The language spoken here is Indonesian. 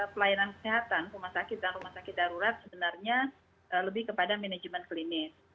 pelayanan kesehatan rumah sakit dan rumah sakit darurat sebenarnya lebih kepada manajemen klinis